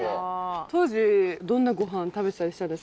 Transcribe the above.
当時どんなごはん食べてたりしたんですか？